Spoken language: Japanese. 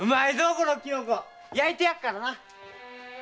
このキノコ焼いてやっからな！